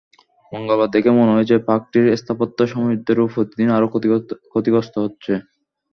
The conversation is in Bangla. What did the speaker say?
মঙ্গলবার দেখে মনে হয়েছে, পার্কটির স্থাপত্য সমৃদ্ধ রূপ প্রতিদিন আরও ক্ষতিগ্রস্ত হচ্ছে।